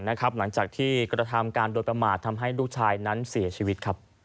หลังจากที่กระทำการโดยประมาททำให้ลูกชายนั้นเสียชีวิต